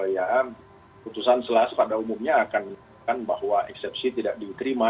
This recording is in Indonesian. ya putusan selas pada umumnya akan bahwa eksepsi tidak diterima